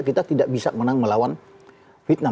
kita tidak bisa menang melawan vietnam